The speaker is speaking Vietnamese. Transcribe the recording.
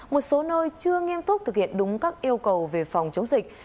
một số nơi chưa nghiêm túc thực hiện đúng các yêu cầu về phòng chống dịch